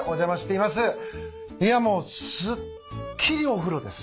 いやもうすっきりお風呂です。